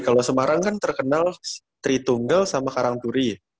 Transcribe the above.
kalau semarang kan terkenal tritunggal sama karangturi ya